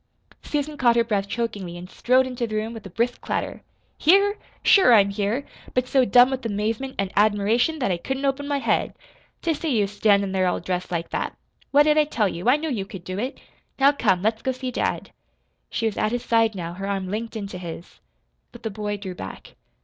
Susan caught her breath chokingly, and strode into the room with a brisk clatter. "Here? Sure I'm here but so dumb with amazement an' admiration that I couldn't open my head to see you standin' there all dressed like that! What did I tell you? I knew you could do it. Now, come, let's go see dad." She was at his side now, her arm linked into his. But the boy drew back.